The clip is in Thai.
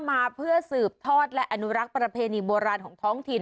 มาเพื่อสืบทอดและอนุรักษ์ประเพณีโบราณของท้องถิ่น